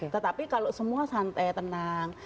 tetapi kalau semua santai tenang